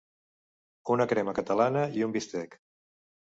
Una crema catalana i un bistec.